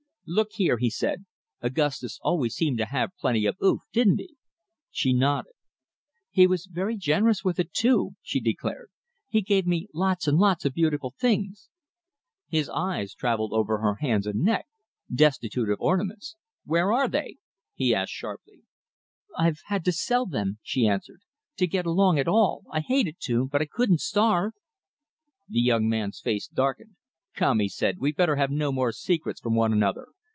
"Look here," he said, "Augustus always seemed to have plenty of oof, didn't he?" She nodded. "He was very generous with it, too," she declared. "He gave me lots and lots of beautiful things." His eyes travelled over her hands and neck, destitute of ornaments. "Where are they?" he asked sharply. "I've had to sell them," she answered, "to get along at all, I hated to, but I couldn't starve." The young man's face darkened. "Come," he said. "We'd better have no secrets from one another.